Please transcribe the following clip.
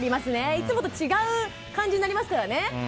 いつもと違う感じになりますからね。